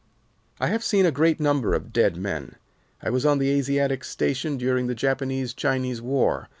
"I have seen a great number of dead men; I was on the Asiatic Station during the Japanese Chinese war.